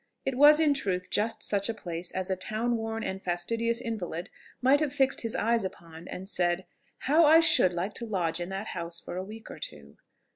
It was in truth just such a place as a town worn and fastidious invalid might have fixed his eyes upon and said, "How I should like to lodge in that house for a week or two!"